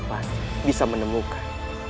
itu pasti bisa menemukan